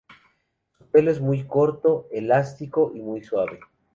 Su pelo es muy corto, elástico y muy suave.